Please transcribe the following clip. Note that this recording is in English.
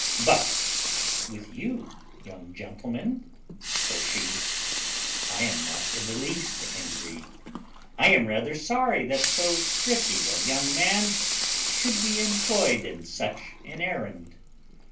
"But with you, young gentleman," says she, "I am not in the least angry. I am rather sorry that so pretty a young man should be employed in such an errand."